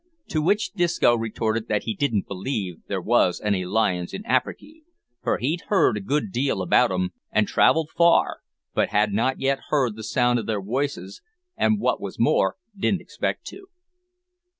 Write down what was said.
To which Disco retorted that he didn't believe there was any lions in Afriky, for he'd heard a deal about 'em an' travelled far, but had not yet heard the sound of their woices, an', wot was more, didn't expect to.